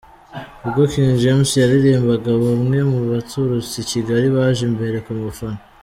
Ubwo King James yaririmbaga, bamwe mu baturutse i Kigali baje imbere kumufana.